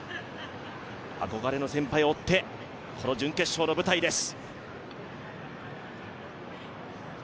憧れの先輩を追ってこの準決勝の舞台です。